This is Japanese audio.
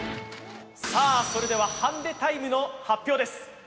それでは、ハンデタイムの発表です。